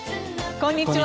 こんにちは。